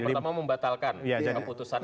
yang pertama membatalkan keputusan kpn